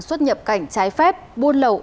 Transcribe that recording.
xuất nhập cảnh trái phép buôn lậu